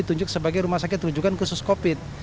ditunjuk sebagai rumah sakit rujukan khusus covid